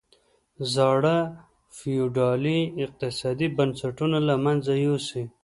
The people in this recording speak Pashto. زاړه فیوډالي اقتصادي بنسټونه له منځه یوسي.